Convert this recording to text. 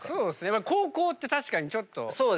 後攻って確かにちょっと。